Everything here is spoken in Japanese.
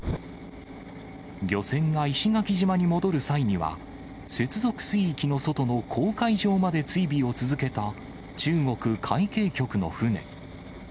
漁船が石垣島に戻る際には、接続水域の外の公海上まで追尾を続けた中国海警局の船。